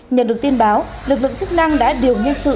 nhận được tin báo lực lượng chức năng đã điều nhân sự